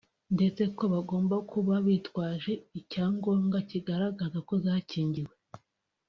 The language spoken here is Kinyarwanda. ndetse ko bagomba kuba bitwaje icyangombwa kigaragaza ko zakingiwe